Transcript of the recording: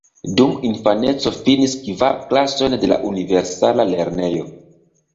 Dum infaneco finis kvar klasojn de la universala lernejo.